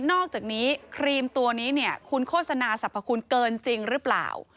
อกจากนี้ครีมตัวนี้เนี่ยคุณโฆษณาสรรพคุณเกินจริงหรือเปล่า